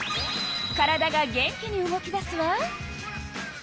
体が元気に動き出すわ。